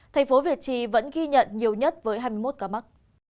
tp việt trì vẫn ghi nhận nhiều nhất với hai mươi một ca mắc